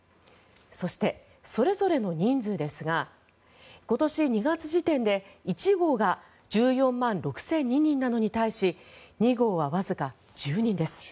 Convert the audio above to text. そして、それぞれの人数ですが今年２月時点で１号が１４万６００２人なのに対し２号はわずか１０人です。